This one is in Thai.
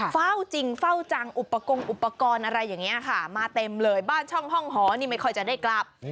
จริงเฝ้าจังอุปกรณ์อุปกรณ์อะไรอย่างนี้ค่ะมาเต็มเลยบ้านช่องห้องหอนี่ไม่ค่อยจะได้กลับ